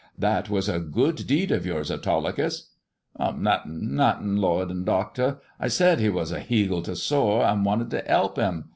"That was a good deed of yours, Autolycus." "Nothin', nothin*, lord and doctor. I said he was a heagle to soar, and wanted to 'elp him.